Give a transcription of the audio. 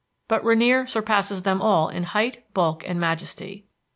But Rainier surpasses them all in height, bulk, and majesty.